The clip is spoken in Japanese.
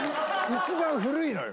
一番古いのよ。